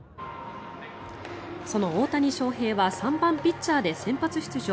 その大谷翔平は３番ピッチャーで先発出場。